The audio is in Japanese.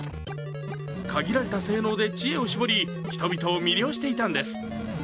限られた性能で知恵を絞り、人々を魅了していたんです。